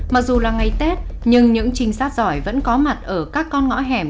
mặc dù là ngày tết nhưng những trinh sát giỏi vẫn có mặt ở các con ngõ hẻm